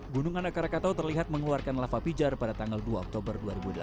gunung anak rakatau terlihat mengeluarkan lava pijar pada tanggal dua oktober dua ribu delapan belas